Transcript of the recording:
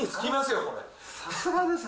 さすがですね。